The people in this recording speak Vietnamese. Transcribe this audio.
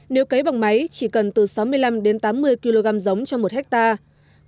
nếu cấy bằng máy chỉ cần từ sáu mươi năm đến tám mươi kg giống cho một hectare